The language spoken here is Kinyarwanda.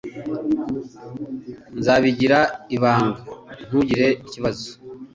Nzabigira ibanga. Ntugire ikibazo.